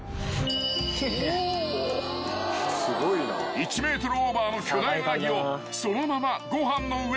［１ｍオーバーの巨大ウナギをそのままご飯の上に］